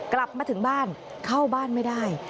กลับมาถึงบ้านเข้าบ้านไม่ได้